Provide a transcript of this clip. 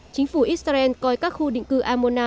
chính phủ israel coi các khu định cư amona